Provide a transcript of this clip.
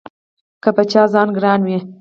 که په چا ځان ګران وي